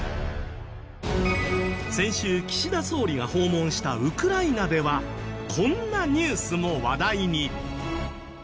先週岸田総理が訪問したウクライナではこんなニュースも話題に。